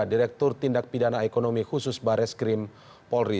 direktur tindak pidana ekonomi khusus bares krim polri